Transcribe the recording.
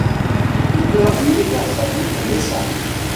Il meurt le dans sa ville de naissance.